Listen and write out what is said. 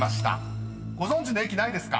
［ご存じの駅ないですか？］